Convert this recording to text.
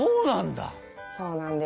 そうなんだ！